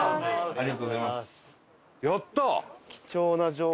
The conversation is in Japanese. ありがとうございます。